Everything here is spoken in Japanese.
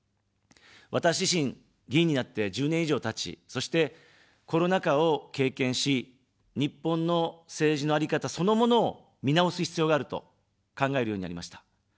私自身、議員になって１０年以上たち、そして、コロナ禍を経験し、日本の政治のあり方そのものを見直す必要があると考えるようになりました。